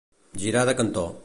Girar de cantó.